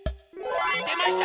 でました！